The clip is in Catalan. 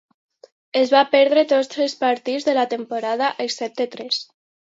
Es va perdre tots els partits de la temporada excepte tres.